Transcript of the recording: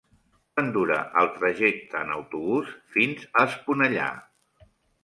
Quant dura el trajecte en autobús fins a Esponellà?